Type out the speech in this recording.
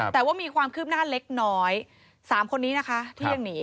แต่ว่ามีความคืบหน้าเล็กน้อย๓คนนี้นะคะที่ยังหนี